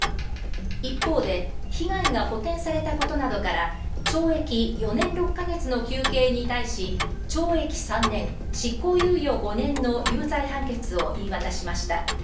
一方で被害が補填されたことなどから懲役４年６か月の求刑に対し懲役３年執行猶予５年の有罪判決を言い渡しました。